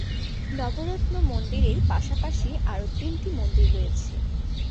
নবরত্ন মন্দিরের পাশাপাশি আরও তিনটি মন্দির রয়েছে।